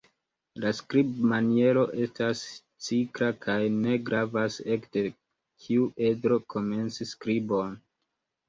La skribmaniero estas cikla kaj ne gravas ekde kiu edro komenci skribon.